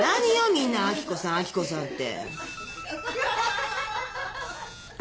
みんな明子さん明子さんって。